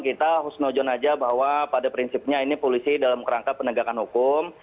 kita harus ngejun saja bahwa pada prinsipnya ini polisi dalam kerangka penegakan hukum